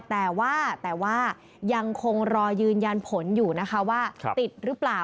แต่ว่ายังคงรอยืนยันผลอยู่ว่าติดหรือเปล่า